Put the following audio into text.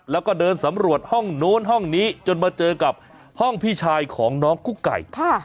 แล้วก็เดินสำรวจห้องโน้นห้องนี้จนมาเจอกับห้องพี่ชายของน้องกุ๊กไก่